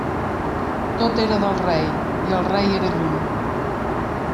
Tot era del rei, i el rei era lluny.